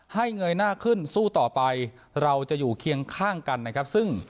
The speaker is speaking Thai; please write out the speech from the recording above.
ให้เงยหน้าขึ้นสู้ต่อไปเราจะอยู่เคียงข้างกัน